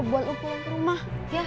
buat lu pulang ke rumah